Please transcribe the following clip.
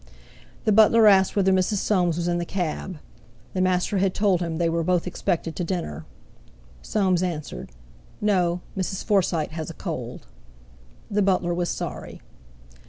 The butler asked whether Mrs. Soames was in the cab, the master had told him they were both expected to dinner. Soames answered: "No. Mrs. Forsyte has a cold." The butler was sorry.